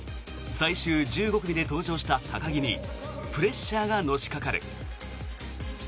最終１５組で登場した高木にプレッシャーがのしかかる。